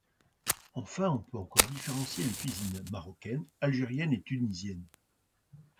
Enfin, on peut encore différencier les cuisines marocaine, algérienne et tunisienne.